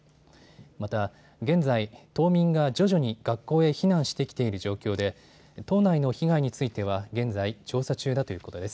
また現在、島民が徐々に学校へ避難してきている状況で島内の被害については現在、調査中だということです。